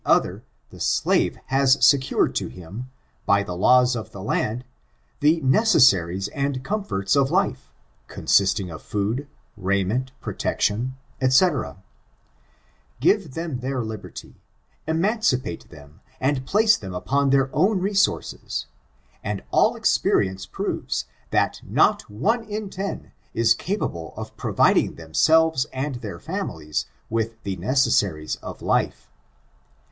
416* Other, the slave has secured to him, by the laws of the land, the necessaries and comforts of life, con sisting of food, raiment, protection, dGc (Give them their liberty, emancipate them and place them upon their own resources, and all experience proves that not one in ten is capable of providing themselves and their families with the necessaries of life.)